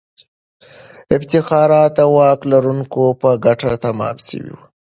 افتخارات د واک لرونکو په ګټه تمام سوي وو.